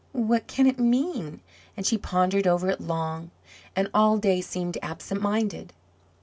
What can it mean?" and she pondered over it long, and all day seemed absent minded.